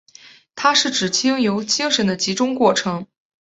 它是指经由精神的集中过程。